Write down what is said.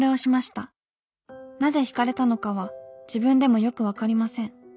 なぜひかれたのかは自分でもよく分かりません。